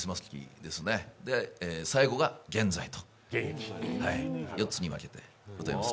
最後が現在と４つに分けてございます。